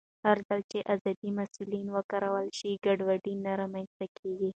هرځل چې ازادي مسؤلانه وکارول شي، ګډوډي نه رامنځته کېږي.